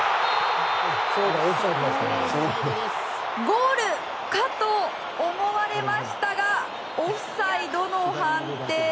ゴールかと思われましたがオフサイドの判定。